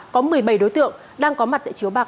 có một mươi bảy đối tượng đang có mặt tại chiếu bạc